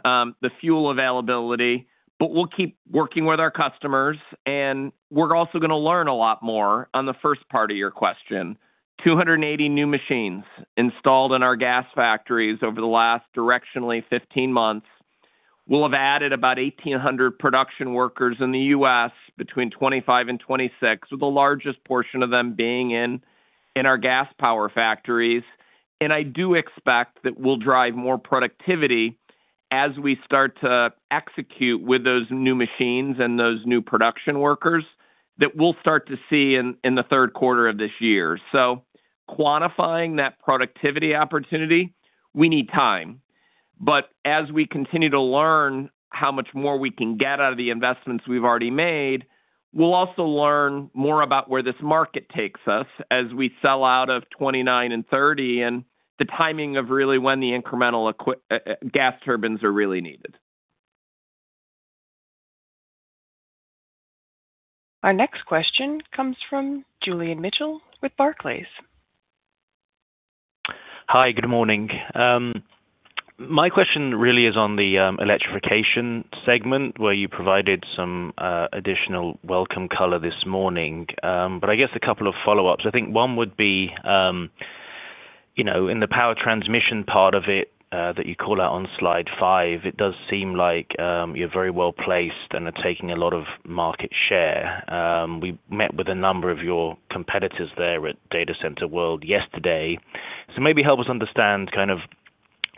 the fuel availability. We'll keep working with our customers, and we're also going to learn a lot more on the first part of your question. 280 new machines installed in our gas factories over the last directionally 15 months. We'll have added about 1,800 production workers in the U.S. between 2025 and 2026, with the largest portion of them being in our Gas Power factories. I do expect that we'll drive more productivity as we start to execute with those new machines and those new production workers that we'll start to see in the third quarter of this year. Quantifying that productivity opportunity, we need time. As we continue to learn how much more we can get out of the investments we've already made, we'll also learn more about where this market takes us as we sell out of 2029 and 2030, and the timing of really when the incremental gas turbines are really needed. Our next question comes from Julian Mitchell with Barclays. Hi, good morning. My question really is on the Electrification segment, where you provided some additional welcome color this morning. I guess a couple of follow-ups. I think one would be, in the Power Transmission part of it that you call out on slide five, it does seem like you're very well-placed and are taking a lot of market share. We met with a number of your competitors there at Data Center World yesterday. Maybe help us understand kind of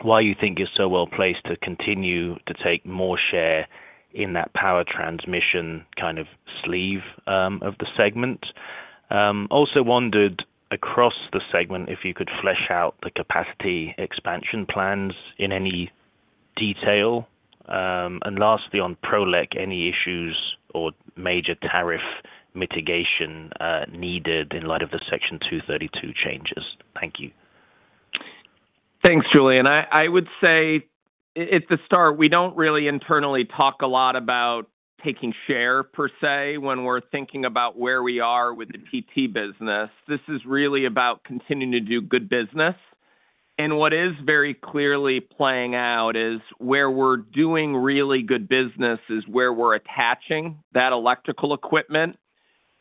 why you think you're so well-placed to continue to take more share in that power transmission kind of sleeve of the segment. Also wondered across the segment, if you could flesh out the capacity expansion plans in any detail. Lastly, on Prolec, any issues or major tariff mitigation needed in light of the Section 232 changes? Thank you. Thanks, Julian. I would say at the start, we don't really internally talk a lot about taking share per se, when we're thinking about where we are with the PT business. This is really about continuing to do good business. What is very clearly playing out is where we're doing really good business is where we're attaching that electrical equipment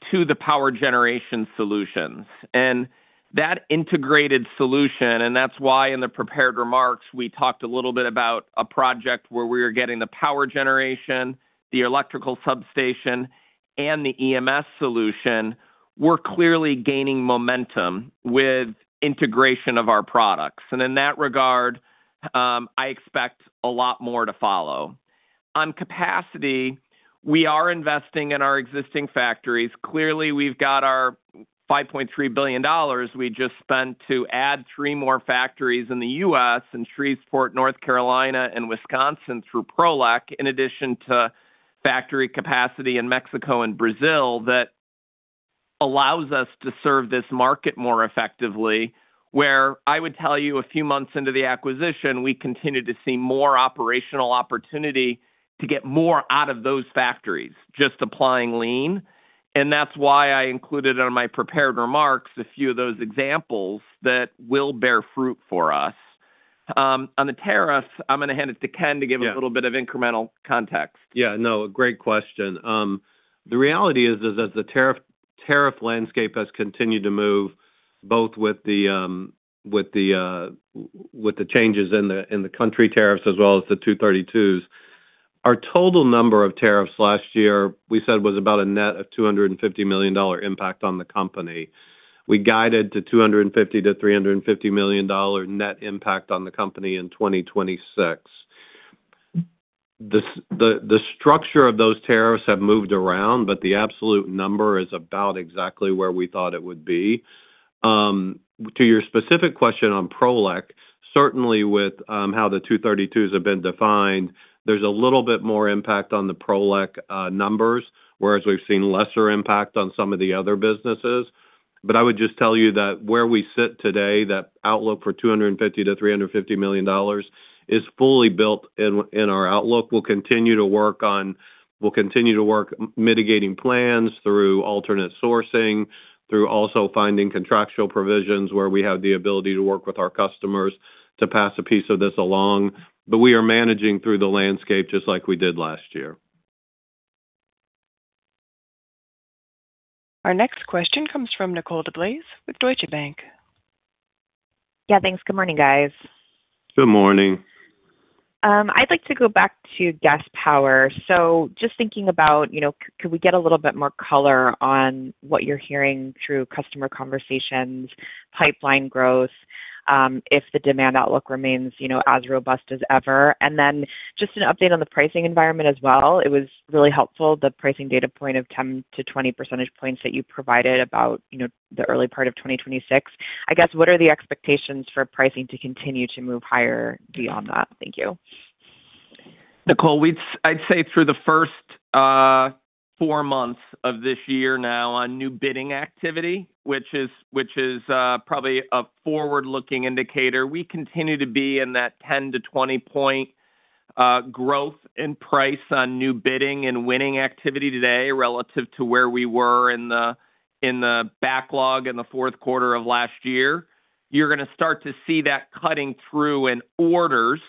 to the power generation solutions and that integrated solution, and that's why in the prepared remarks we talked a little bit about a project where we are getting the power generation, the electrical substation, and the EMS solution. We're clearly gaining momentum with integration of our products. In that regard, I expect a lot more to follow. On capacity, we are investing in our existing factories. Clearly, we've got our $5.3 billion we just spent to add three more factories in the U.S. in Shreveport, North Carolina, and Wisconsin through Prolec, in addition to factory capacity in Mexico and Brazil that allows us to serve this market more effectively. Where I would tell you a few months into the acquisition, we continue to see more operational opportunity to get more out of those factories, just applying lean. That's why I included in my prepared remarks a few of those examples that will bear fruit for us. On the tariffs, I'm going to hand it to Ken to give- Yeah. ...a little bit of incremental context. Yeah, no. Great question. The reality is that the tariff landscape has continued to move both with the changes in the country tariffs as well as the 232s. Our total number of tariffs last year, we said, was about a net of $250 million impact on the company. We guided to $250 million-$350 million net impact on the company in 2026. The structure of those tariffs have moved around, but the absolute number is about exactly where we thought it would be. To your specific question on Prolec, certainly with how the 232s have been defined, there's a little bit more impact on the Prolec numbers, whereas we've seen lesser impact on some of the other businesses. I would just tell you that where we sit today, that outlook for $250million-$350 million is fully built in our outlook. We'll continue to work on mitigating plans through alternate sourcing, through also finding contractual provisions where we have the ability to work with our customers to pass a piece of this along. We are managing through the landscape just like we did last year. Our next question comes from Nicole DeBlase with Deutsche Bank. Yeah, thanks. Good morning, guys. Good morning. I'd like to go back to Gas Power. Just thinking about could we get a little bit more color on what you're hearing through customer conversations, pipeline growth, if the demand outlook remains as robust as ever, and then just an update on the pricing environment as well? It was really helpful, the pricing data point of 10-20 percentage points that you provided about the early part of 2026. I guess, what are the expectations for pricing to continue to move higher beyond that? Thank you. Nicole DeBlase, I'd say through the first four months of this year now on new bidding activity, which is probably a forward-looking indicator, we continue to be in that 10-20 point growth in price on new bidding and winning activity today relative to where we were in the backlog in the fourth quarter of last year. You're going to start to see that cutting through in orders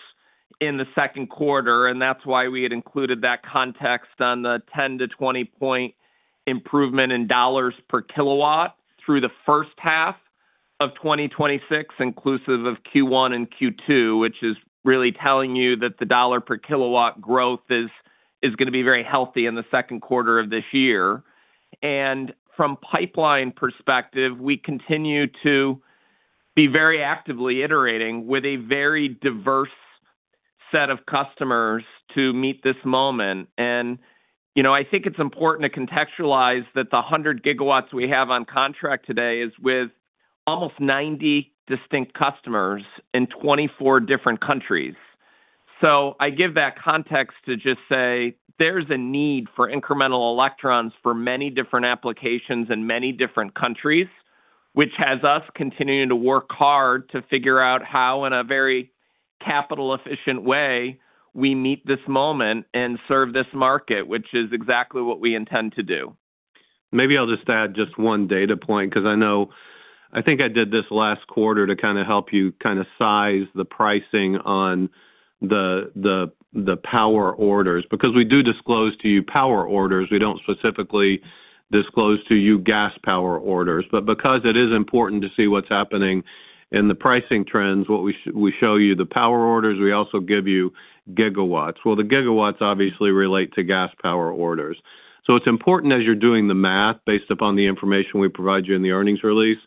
in the second quarter, and that's why we had included that context on the 10-20 point improvement in dollars per kilowatt through the first half of 2026, inclusive of Q1 and Q2, which is really telling you that the dollar per kilowatt growth is going to be very healthy in the second quarter of this year. From pipeline perspective, we continue to be very actively iterating with a very diverse set of customers to meet this moment. I think it's important to contextualize that the 100 GW we have on contract today is with almost 90 distinct customers in 24 different countries. I give that context to just say there's a need for incremental electrons for many different applications in many different countries, which has us continuing to work hard to figure out how, in a very capital efficient way, we meet this moment and serve this market, which is exactly what we intend to do. Maybe I'll just add one data point, because I think I did this last quarter to kind of help you kind of size the pricing on the power orders, because we do disclose to you power orders. We don't specifically disclose to you Gas Power orders. Because it is important to see what's happening in the pricing trends, we show you the power orders. We also give you gigawatts. Well, the gigawatts obviously relate to Gas Power orders. It's important as you're doing the math based upon the information we provide you in the earnings release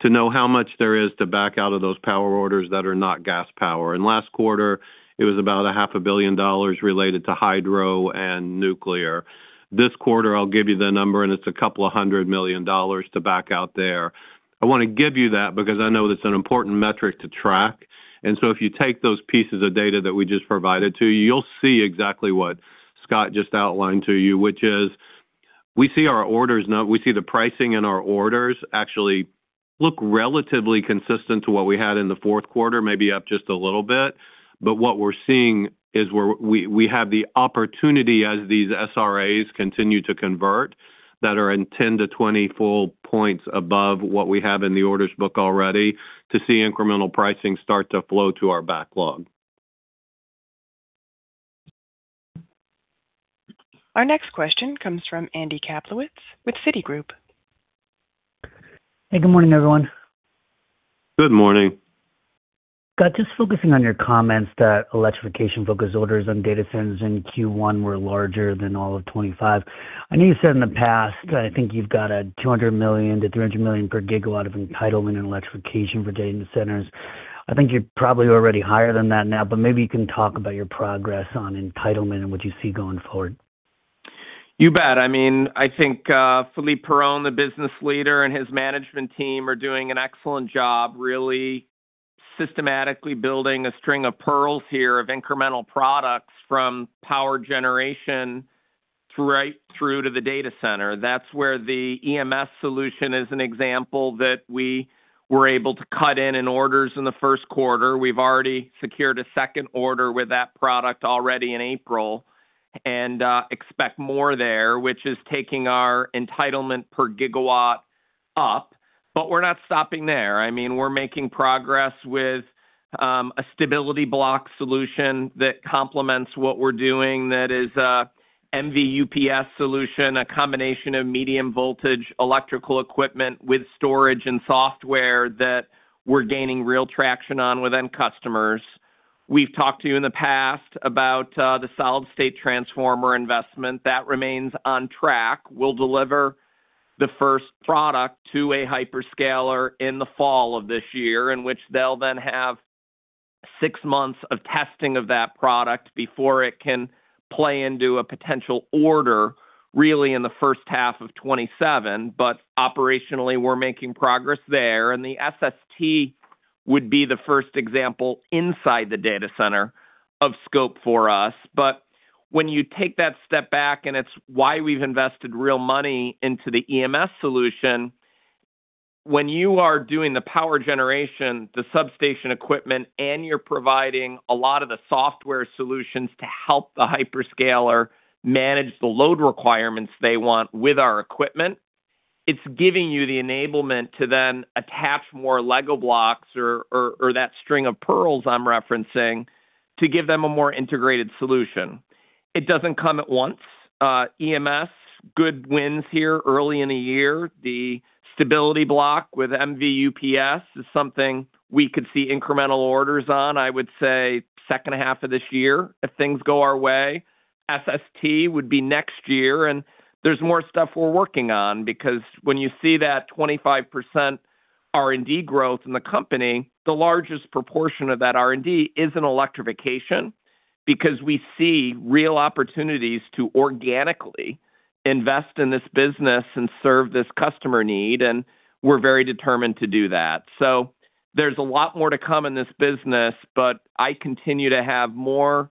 to know how much there is to back out of those power orders that are not Gas Power. Last quarter it was about $500 million related to hydro and nuclear. This quarter, I'll give you the number, and it's $200 million to back out there. I want to give you that because I know that's an important metric to track. If you take those pieces of data that we just provided to you'll see exactly what Scott just outlined to you, which is we see the pricing in our orders actually look relatively consistent to what we had in the fourth quarter, maybe up just a little bit. What we're seeing is we have the opportunity as these SRAs continue to convert, that are 10%-20% above what we have in the orders book already to see incremental pricing start to flow to our backlog. Our next question comes from Andrew Kaplowitz with Citigroup. Hey, good morning, everyone. Good morning. Scott, just focusing on your comments that Electrification focus orders on data centers in Q1 were larger than all of 2025. I know you said in the past, I think you've got a $200 million-$300 million per gigawatt of entitlement in Electrification for data centers. I think you're probably already higher than that now, but maybe you can talk about your progress on entitlement and what you see going forward. You bet. I think Philippe Brun, the business leader, and his management team are doing an excellent job, really systematically building a string of pearls here of incremental products from power generation right through to the data center. That's where the EMS solution is an example that we were able to cut in orders in the first quarter. We've already secured a second order with that product already in April and expect more there, which is taking our entitlement per gigawatt up but, so we're not stopping there. We're making progress with a stability block solution that complements what we're doing that is a MV UPS solution, a combination of medium voltage electrical equipment with storage and software that we're gaining real traction on within customers. We've talked to you in the past about the solid-state transformer investment. That remains on track. We'll deliver the first product to a hyperscaler in the fall of this year, in which they'll then have six months of testing of that product before it can play into a potential order, really in the first half of 2027. Operationally, we're making progress there, and the SST would be the first example inside the data center of scope for us. When you take that step back, and it's why we've invested real money into the EMS solution. When you are doing the power generation, the substation equipment, and you're providing a lot of the software solutions to help the hyperscaler manage the load requirements they want with our equipment, it's giving you the enablement to then attach more LEGO blocks or that string of pearls I'm referencing to give them a more integrated solution. It doesn't come at once. EMS, good wins here early in a year. The stability block with MV UPS is something we could see incremental orders on, I would say, second half of this year, if things go our way. SST would be next year, and there's more stuff we're working on because when you see that 25% R&D growth in the company, the largest proportion of that R&D is in Electrification because we see real opportunities to organically invest in this business and serve this customer need, and we're very determined to do that. There's a lot more to come in this business, but I continue to have more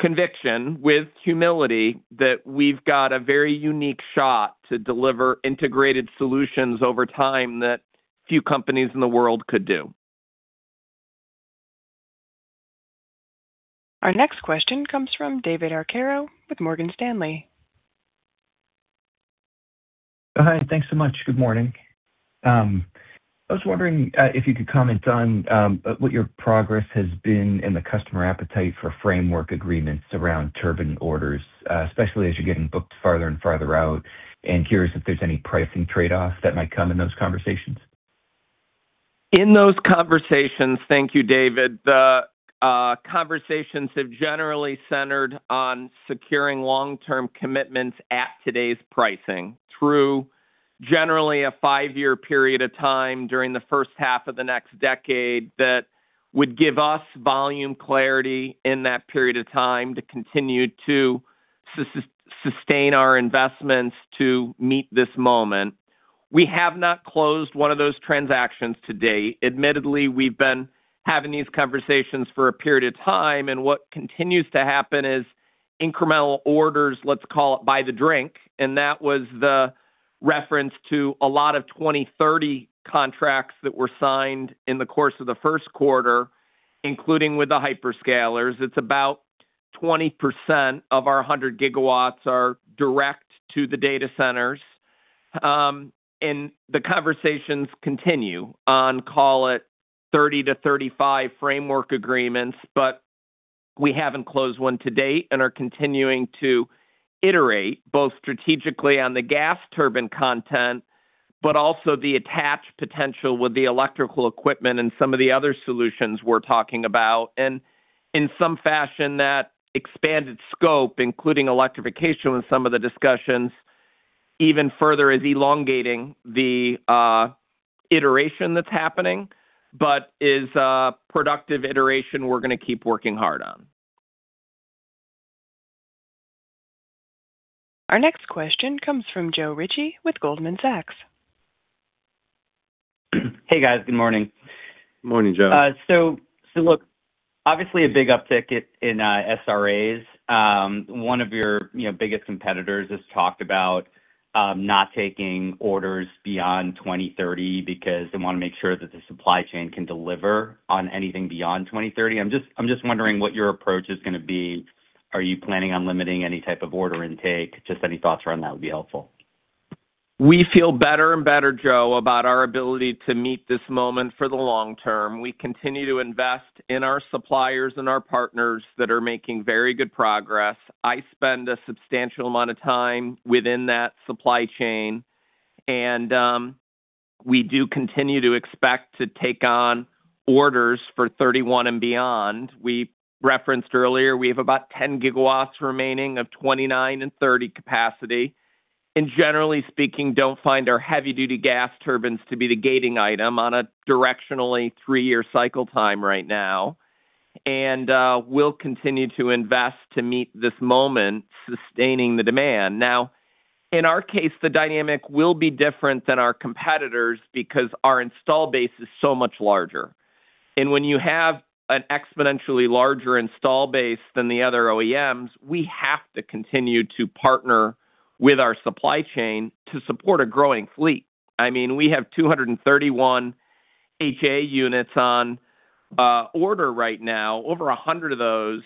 conviction, with humility, that we've got a very unique shot to deliver integrated solutions over time that few companies in the world could do. Our next question comes from David Arcaro with Morgan Stanley. Hi, thanks so much. Good morning. I was wondering if you could comment on what your progress has been in the customer appetite for framework agreements around turbine orders, especially as you're getting booked farther and farther out, and curious if there's any pricing trade-off that might come in those conversations? In those conversations, thank you, David. The conversations have generally centered on securing long-term commitments at today's pricing through generally a five-year period of time during the first half of the next decade that would give us volume clarity in that period of time to continue to sustain our investments to meet this moment. We have not closed one of those transactions to date. Admittedly, we've been having these conversations for a period of time, and what continues to happen is incremental orders, let's call it by the drink, and that was the reference to a lot of 2030 contracts that were signed in the course of the first quarter, including with the hyperscalers. It's about 20% of our 100 GW are direct to the data centers. The conversations continue on, call it, 30-35 framework agreements, but we haven't closed one to date and are continuing to iterate both strategically on the gas turbine content, but also the attached potential with the electrical equipment and some of the other solutions we're talking about. In some fashion, that expanded scope, including Electrification with some of the discussions even further is elongating the iteration that's happening, but is a productive iteration we're going to keep working hard on. Our next question comes from Joe Ritchie with Goldman Sachs. Hey, guys. Good morning. Morning, Joe. Look, obviously a big uptick in SRAs. One of your biggest competitors has talked about not taking orders beyond 2030 because they want to make sure that the supply chain can deliver on anything beyond 2030. I'm just wondering what your approach is going to be. Are you planning on limiting any type of order intake? Just any thoughts around that would be helpful. We feel better and better, Joe, about our ability to meet this moment for the long term. We continue to invest in our suppliers and our partners that are making very good progress. I spend a substantial amount of time within that supply chain. We do continue to expect to take on orders for 2031 and beyond. We referenced earlier, we have about 10 GW remaining of 2029 and 2030 capacity. Generally speaking, don't find our heavy-duty gas turbines to be the gating item on a directionally three-year cycle time right now. We'll continue to invest to meet this moment, sustaining the demand. Now, in our case, the dynamic will be different than our competitors because our installed base is so much larger. When you have an exponentially larger install base than the other OEMs, we have to continue to partner with our supply chain to support a growing fleet. We have 231 HA units on order right now. Over 100 of those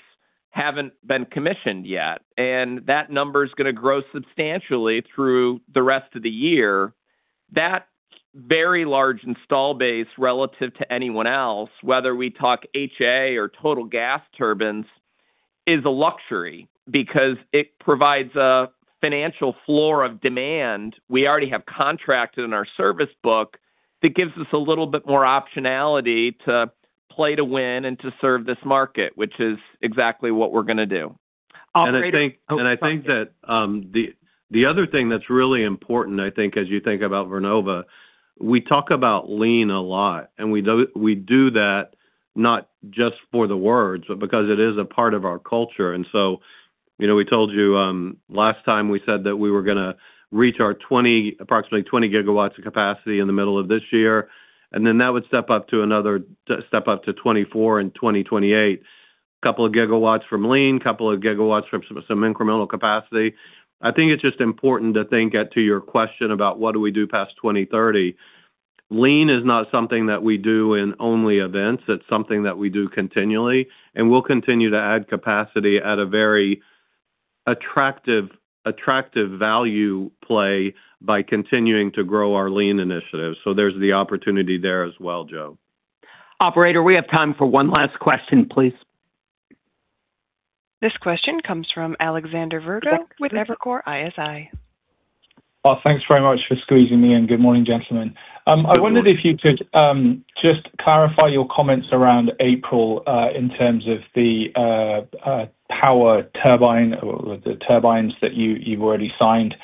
haven't been commissioned yet, and that number's going to grow substantially through the rest of the year. That very large install base relative to anyone else, whether we talk HA or total gas turbines, is a luxury because it provides a financial floor of demand we already have contracted in our service book that gives us a little bit more optionality to play to win and to serve this market, which is exactly what we're going to do. Operator- I think that the other thing that's really important, I think, as you think about Vernova, we talk about Lean a lot, and we do that not just for the words, but because it is a part of our culture. We told you, last time we said that we were going to reach our approximately 20 GW of capacity in the middle of this year, and then that would step up to 24 GW in 2028, a couple of gigawatts from Lean, a couple of gigawatts from some incremental capacity. I think it's just important to think, to your question about what do we do past 2030, Lean is not something that we do in only events. It's something that we do continually, and we'll continue to add capacity at a very attractive value play by continuing to grow our Lean initiative. There's the opportunity there as well, Joe. Operator, we have time for one last question, please. This question comes from Alexander Virgo with Evercore ISI. Well, thanks very much for squeezing me in. Good morning, gentlemen. I wondered if you could just clarify your comments around April, in terms of the power turbine or the turbines that you've already signed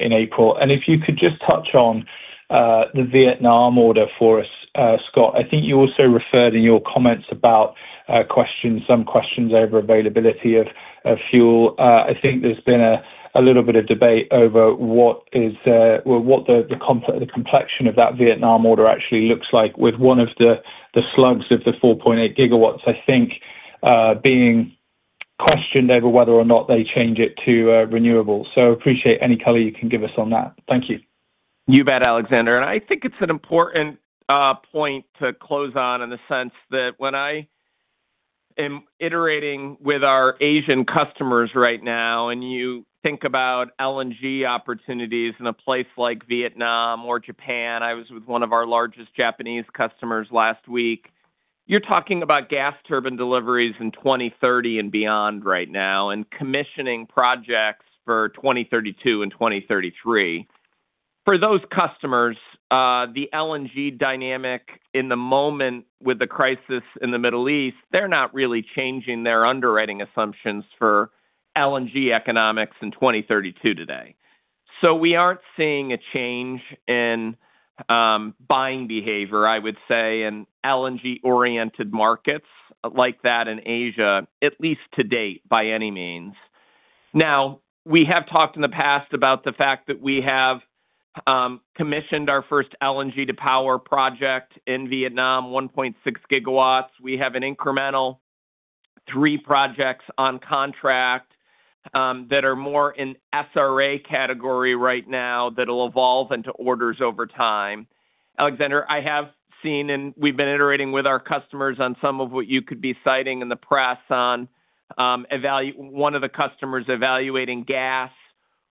in April. If you could just touch on the Vietnam order for us, Scott. I think you also referred in your comments about some questions over availability of fuel. I think there's been a little bit of debate over what the complexion of that Vietnam order actually looks like with one of the slugs of the 4.8 GW, I think, being questioned over whether or not they change it to renewables. Appreciate any color you can give us on that. Thank you. You bet, Alexander. I think it's an important point to close on in the sense that when I am iterating with our Asian customers right now, and you think about LNG opportunities in a place like Vietnam or Japan, I was with one of our largest Japanese customers last week. You're talking about gas turbine deliveries in 2030 and beyond right now, and commissioning projects for 2032 and 2033. For those customers, the LNG dynamic in the moment with the crisis in the Middle East, they're not really changing their underwriting assumptions for LNG economics in 2032 today. We aren't seeing a change in buying behavior, I would say, in LNG-oriented markets like that in Asia, at least to date by any means. Now, we have talked in the past about the fact that we have commissioned our first LNG to power project in Vietnam, 1.6 GW. We have an incremental three projects on contract that are more in SRA category right now that'll evolve into orders over time. Alexander, I have seen, and we've been iterating with our customers on some of what you could be citing in the press on one of the customers evaluating gas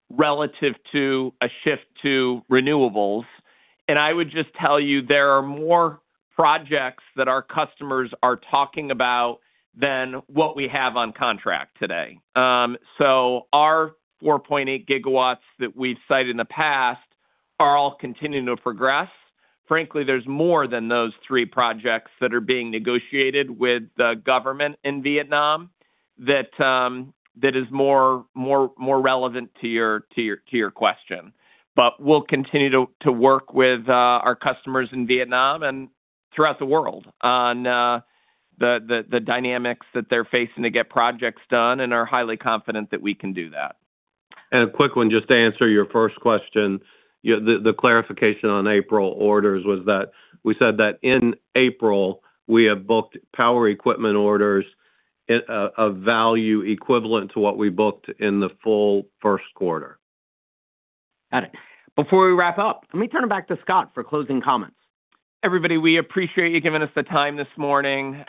relative to a shift to renewables. I would just tell you there are more projects that our customers are talking about than what we have on contract today. Our 4.8 GW that we've cited in the past are all continuing to progress. Frankly, there's more than those three projects that are being negotiated with the government in Vietnam that is more relevant to your question. We'll continue to work with our customers in Vietnam and throughout the world on the dynamics that they're facing to get projects done, and are highly confident that we can do that. A quick one, just to answer your first question, the clarification on April orders was that we said that in April, we have booked power equipment orders of value equivalent to what we booked in the full first quarter. Got it. Before we wrap up, let me turn it back to Scott for closing comments. Everybody, we appreciate you giving us the time this morning.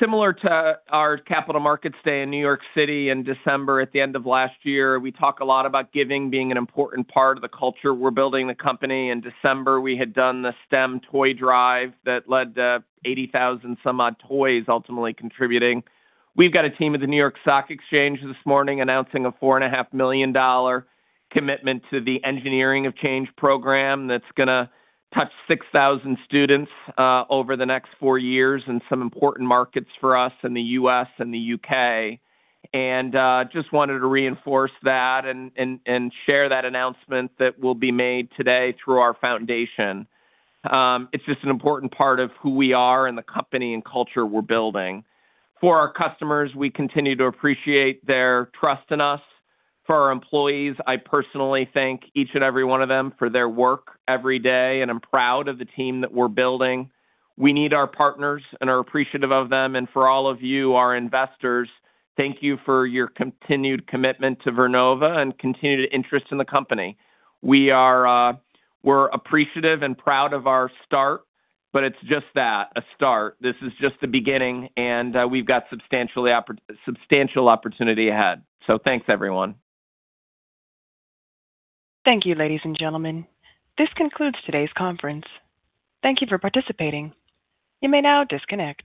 Similar to our capital markets day in New York City in December at the end of last year, we talk a lot about giving being an important part of the culture we're building the company. In December, we had done the STEM toy drive that led to 80,000-some-odd toys ultimately contributing. We've got a team at the New York Stock Exchange this morning announcing a $4.5 million commitment to the Engineering of Change program that's going to touch 6,000 students over the next four years in some important markets for us in the U.S. and the U.K. Just wanted to reinforce that and share that announcement that will be made today through our foundation. It's just an important part of who we are and the company and culture we're building. For our customers, we continue to appreciate their trust in us. For our employees, I personally thank each and every one of them for their work every day, and I'm proud of the team that we're building. We need our partners and are appreciative of them. For all of you, our investors, thank you for your continued commitment to Vernova and continued interest in the company. We're appreciative and proud of our start, but it's just that, a start. This is just the beginning and we've got substantial opportunity ahead. Thanks, everyone. Thank you, ladies and gentlemen. This concludes today's conference. Thank you for participating. You may now disconnect.